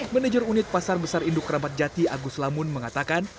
manager unit pasar besar induk kerabat jati agus lamun mengatakan